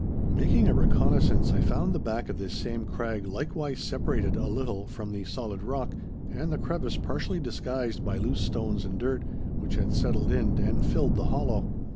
Making a reconnaissance, I found the back of this same crag likewise separated a little from the solid rock, and the crevice partially disguised by loose stones and dirt, which had settled in and filled the hollow.